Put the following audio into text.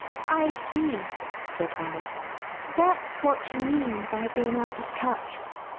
I see," said Alice; that's what you mean by being out of touch.